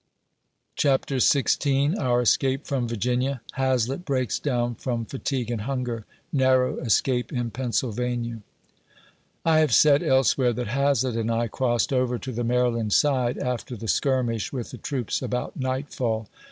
CHAPTER XVI. OUR ESCAPE FROM VIRGINIA HAZLETT BREAKS DOWN FROM FATIGUE AND IIUNGER — NARROW ESCAPE IN PENNSYLVANIA. I have said elsewhere, that Hazlett an3 I crossed over to the Maryland side, after the skirmish with the troops about nightfall.